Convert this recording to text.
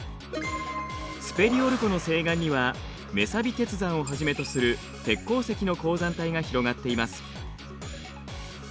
スペリオル湖の西岸にはメサビ鉄山をはじめとする鉄鉱石の鉱山帯が広がっています。